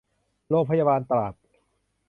โรงพยาบาลตราด